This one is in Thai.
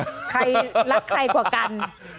รักใครกว่ากัน